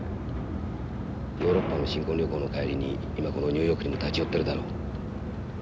ヨーロッパの新婚旅行の帰りに今このニューヨークにも立ち寄ってるだろう。